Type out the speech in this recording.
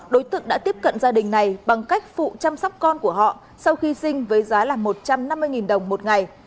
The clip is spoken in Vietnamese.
đối tượng đã tiếp cận gia đình này bằng cách phụ chăm sóc con của họ sau khi sinh với giá là một trăm năm mươi đồng một ngày